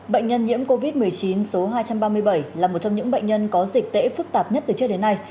bệnh nhân nhiễm covid một mươi chín số hai trăm ba mươi bảy là một trong những bệnh nhân có dịch tễ phức tạp nhất từ trước đến nay